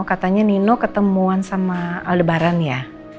katanya nino ketemuan sama lebaran ya